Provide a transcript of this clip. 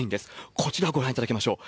こちらご覧いただきましょう。